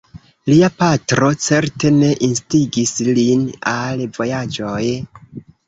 Lia patro certe ne instigis lin al vojaĝoj.